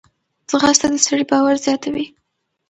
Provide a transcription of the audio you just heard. ځغاسته د سړي باور زیاتوي